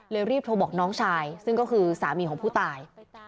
รีบโทรบอกน้องชายซึ่งก็คือสามีของผู้ตาย